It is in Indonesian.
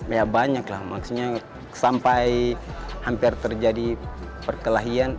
ya banyak lah maksudnya sampai hampir terjadi perkelahian